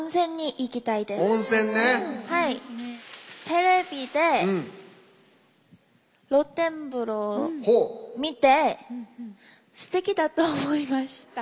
テレビで、露天風呂見てすてきだと思いました。